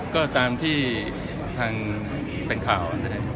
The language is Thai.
ก็ตามที่ทางเป็นข่าว